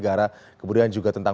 dan tadi dikatakan